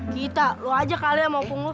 kita lo aja kalian mau pungut